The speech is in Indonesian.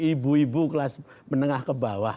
ibu ibu kelas menengah ke bawah